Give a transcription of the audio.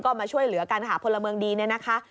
ก็มาช่วยเหลือกันหาพลเมืองดีเนี่ยนะคะ